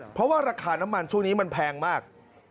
เพราะว่าราคาน้ำมันช่วงนี้มันแพงมาก